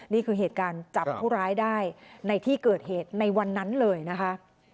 นี่คือเหตุการณ์จับผู้ร้ายได้ในที่เกิดเหตุในวันนั้นเลยนะคะ